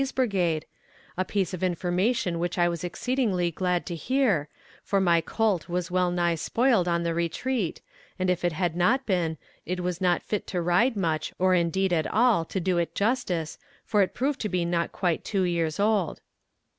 's brigade, a piece of information which I was exceedingly glad to hear, for my colt was well nigh spoiled on the retreat, and if it had not been, was not fit to ride much, or indeed at all, to do it justice, for it proved to be not quite two years old.